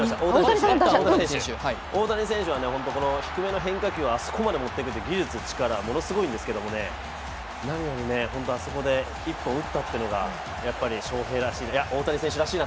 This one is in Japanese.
大谷選手は低めの変化球をあそこまで持っていくという技術、力、ものすごいんですけれども、何よりあそこで一本打ったというのがやっぱり翔平らしい、いや、大谷選手らしい。